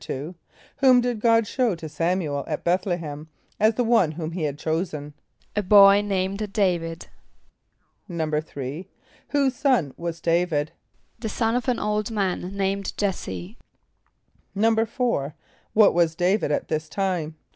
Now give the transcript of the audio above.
= Whom did God show to S[)a]m´u el at B[)e]th´=l[)e] h[)e]m, as the one whom he had chosen? =A boy named D[=a]´vid.= =3.= Whose son was D[=a]´vid? =The son of an old man named J[)e]s´se.= =4.= What was D[=a]´vid at this time?